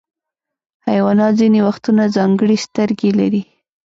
حیوانات ځینې وختونه ځانګړي سترګې لري.